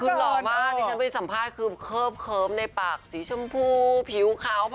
คือหล่อมากที่ฉันไปสัมภาษณ์คือเคิบเคิ้มในปากสีชมพูผิวขาว